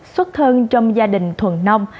xuất thân trong gia đình thuần nông